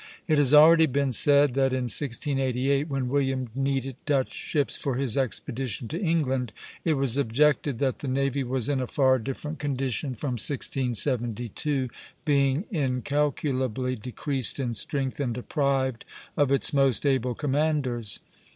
It has already been said that in 1688, when William needed Dutch ships for his expedition to England, it was objected that the navy was in a far different condition from 1672, "being incalculably decreased in strength and deprived of its most able commanders."